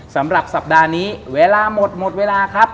สำหรับสัปดาห์นี้เวลาหมดหมดเวลาครับ